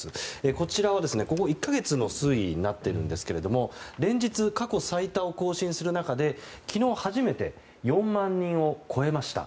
こちらは、ここ１か月の推移になっていますが連日、過去最多を更新する中で昨日、初めて４万人を超えました。